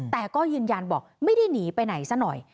แต่ก็ยืนยันบอกไม่ได้หนีไปไหนซะหน่อย